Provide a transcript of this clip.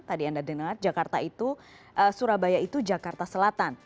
tadi anda dengar surabaya itu jakarta selatan